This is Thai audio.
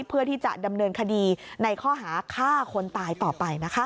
เพื่อที่จะดำเนินคดีในข้อหาฆ่าคนตายต่อไปนะคะ